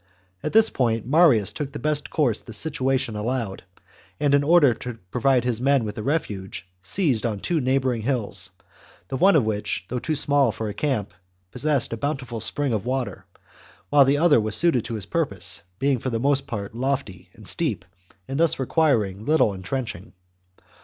At this point Marius took the best course the situation allowed, and, in order to provide his men with a refuge, seized on two neighbouring hills, the one of which, though too small for a camp, possessed a bountiful spring of water, while the other was suited to his purpose, being for the most part lofty and steep, and thus requiring little entrenching.